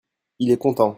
il est content.